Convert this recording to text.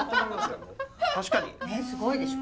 確かに。ねすごいでしょ。